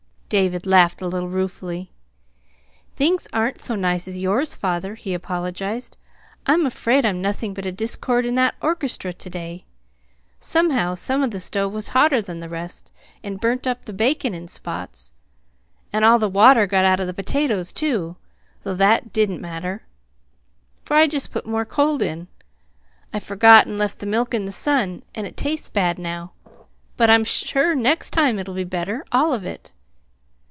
David laughed a little ruefully. "Things aren't so nice as yours, father," he apologized. "I'm afraid I'm nothing but a discord in that orchestra to day! Somehow, some of the stove was hotter than the rest, and burnt up the bacon in spots; and all the water got out of the potatoes, too, though THAT didn't matter, for I just put more cold in. I forgot and left the milk in the sun, and it tastes bad now; but I'm sure next time it'll be better all of it."